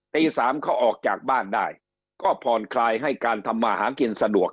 ตีสามเขาออกจากบ้านได้ก็ผ่อนคลายให้การทำมาหากินสะดวก